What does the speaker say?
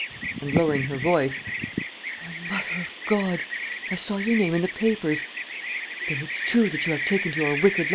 And, lowering her voice, "O mother of God! ... I saw your name in the papers: then it's true that you have taken to your wicked life again?"